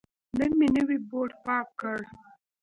نن مې نوی بوټ پاک کړ.